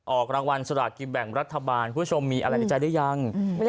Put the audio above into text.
ออกรางวัลสลากกินแบ่งรัฐบาลคุณผู้ชมมีอะไรในใจหรือยัง